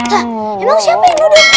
hah emang siapa yang nuduh